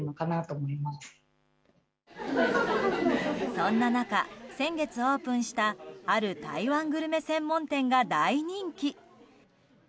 そんな中、先月オープンしたある台湾グルメ専門店が大人気。